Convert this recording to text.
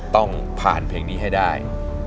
ต้องผ่านเพลงนี้ให้ได้